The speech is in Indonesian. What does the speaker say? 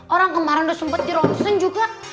orang kemarin udah sempet dironsen juga